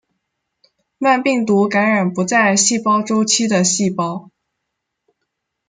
慢病毒感染不在细胞周期的细胞。